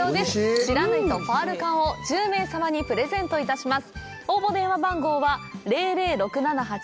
不知火とパール柑を１０名様にプレゼントいたします。